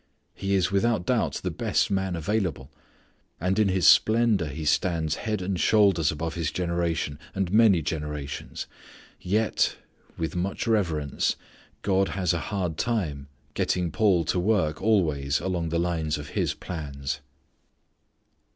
He is without doubt the best man available. And in his splendour he stands head and shoulders above his generation and many generations. Yet (with much reverence) God has a hard time getting Paul to work always along the line of His plans.